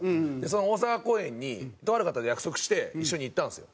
その大阪公演にとある方と約束して一緒に行ったんですよ